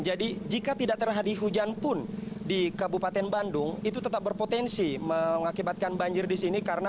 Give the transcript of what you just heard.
jadi jika tidak terjadi hujan pun di kabupaten bandung itu tetap berpotensi mengakibatkan banjir di sini